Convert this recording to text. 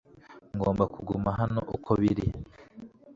Ngomba kuguma hano uko biri